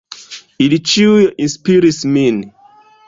Ili ĉiuj inspiris min.